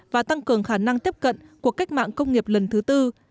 và tăng cường khả năng tiếp cận của cách mạng công nghiệp lần thứ tư